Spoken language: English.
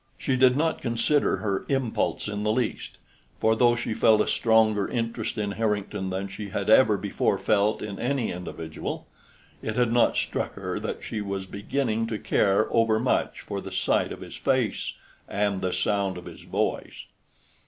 She did not consider her impulse in the least, for though she felt a stronger interest in Harrington than she had ever before felt in any individual, it had not struck her that she was beginning to care overmuch for the sight of his face and the sound of his voice.